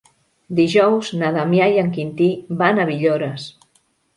Dijous na Damià i en Quintí van a Villores.